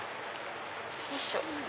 よいしょ。